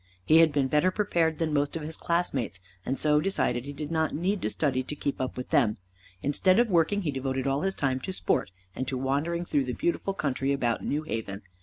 He had been better prepared than most of his classmates, and so decided he did not need to study to keep up with them. Instead of working he devoted all his time to sport, and to wandering through the beautiful country about New Haven.